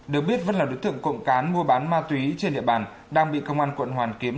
được biết vân là đối tượng cộng cán mua bán ma túy trên địa bàn đang bị công an quận hoàn kiếm